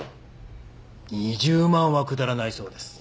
２０万はくだらないそうです。